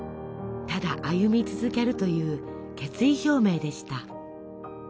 ただ歩み続けるという決意表明でした。